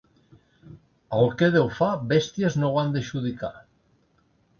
El que Déu fa, bèsties no ho han de judicar.